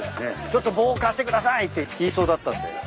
「ちょっと棒貸してください！」って言いそうだったんで。